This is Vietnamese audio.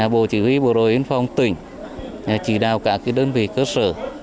bộ chỉ huy bộ đội biên phòng tỉnh chỉ đào các đơn vị cơ sở